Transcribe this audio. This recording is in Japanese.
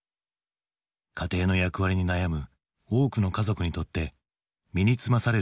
家庭の役割に悩む多くの家族にとって身につまされる事件となった。